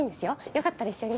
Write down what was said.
よかったら一緒に。